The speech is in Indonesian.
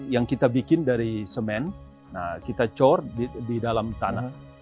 yang kita bikin dari semen kita cor di dalam tanah